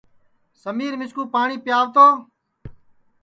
سمیرمِسکُو پاٹؔی پیو تو